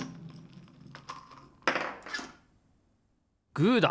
グーだ！